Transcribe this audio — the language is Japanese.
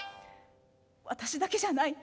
「私だけじゃない。